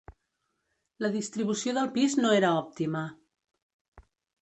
La distribució del pis no era òptima.